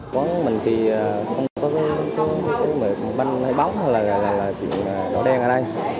quán mình thì không có mời bánh hay bóng hay là chuyện đỏ đen ở đây